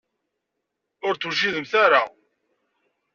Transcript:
Ur d-twejjdemt ara.